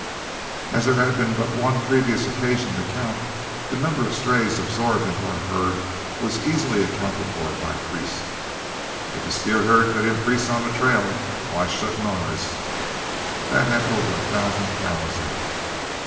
As there had been but one previous occasion to count, the number of strays absorbed into our herd was easily accounted for by Priest: "If a steer herd could increase on the trail, why shouldn't ours, that had over a thousand cows in it?"